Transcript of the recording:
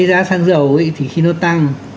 giá sang dầu thì khi nó tăng